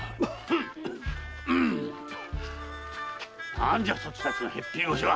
何じゃそちたちのへっぴり腰は。